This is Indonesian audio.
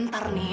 ntar nih ya